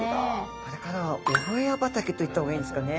これからはおホヤ畑と言った方がいいんですかね。